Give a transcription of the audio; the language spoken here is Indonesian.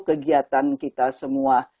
kegiatan kita semua